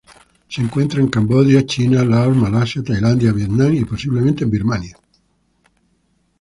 Se encuentra en Camboya, China, Laos, Malasia, Tailandia, Vietnam y, posiblemente, en Birmania.